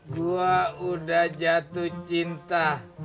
gue udah jatuh cinta